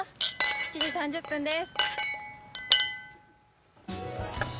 ７時３０分です。